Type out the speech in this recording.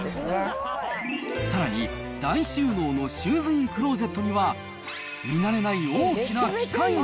さらに、大収納のシューズインクローゼットには、見慣れない大きな機械が。